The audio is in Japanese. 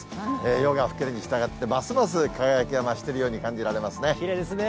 夜が更けるにしたがって、ますます輝きが増してるように感じられきれいですね。